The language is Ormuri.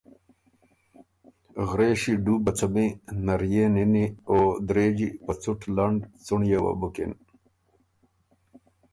غرېݭی ډوبه څمی، نريے نِنی او درېجی په څُټ لنډ څُنړيې وه بُکِن۔